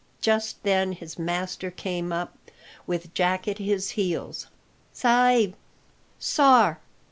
Just then his master came up, with Jack at his heels. "Sa'b! Sar!"